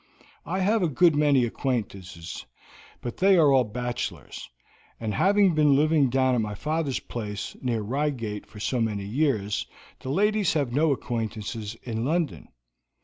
I have a good many acquaintances, but they are all bachelors; and having been living down at my father's place, near Reigate, for so many years, the ladies have no acquaintances in London.